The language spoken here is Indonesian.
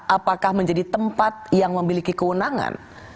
apakah menjadi tempat yang memiliki kewenangan